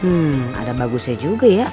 hmm ada bagusnya juga ya